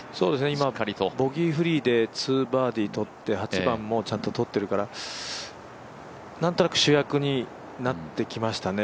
今、ボギーフリーで２バーディー取って、８番もちゃんと取ってるからなんとなく主役になってきましたね。